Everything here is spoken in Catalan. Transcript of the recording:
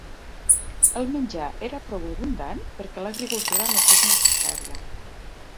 El menjar era prou abundant perquè l'agricultura no fos necessària.